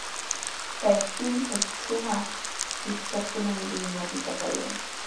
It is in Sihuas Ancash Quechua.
Kay kimsa shumaq shipashkunaqa Limapitami kayan.